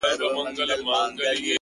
چي زموږ څه واخله دا خيرن لاســـــونه ـ